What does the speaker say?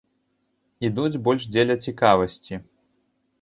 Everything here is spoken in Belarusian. Ідуць больш дзеля цікавасці.